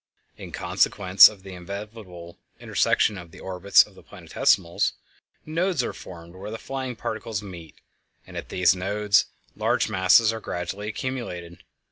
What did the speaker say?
In consequence of the inevitable intersection of the orbits of the planetesimals, nodes are formed where the flying particles meet, and at these nodes large masses are gradually accumulated.